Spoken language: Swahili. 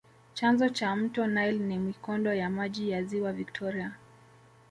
chanzo cha mto nile ni mikondo ya maji ya ziwa victoria